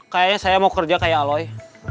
kayaknya saya mau kerja kayak aloy